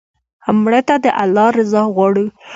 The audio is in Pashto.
مړه ته د الله رضا غواړو